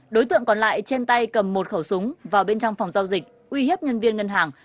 đối tượng còn lại trên tay cầm một khẩu súng vào bên trong phòng giao dịch uy hiếp nhân viên ngân hàng